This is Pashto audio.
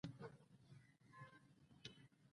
هیلۍ د مهاجرت له لارې ژوند کوي